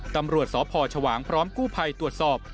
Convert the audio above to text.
ตำรวจสพชวางพร้อมกู้ภัยตรวจสอบ